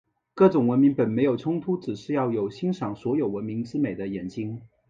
各种文明本没有冲突，只是要有欣赏所有文明之美的眼睛。